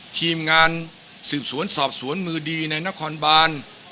ทีมงานสืบสวนสอบสวนมือดีในนครบาน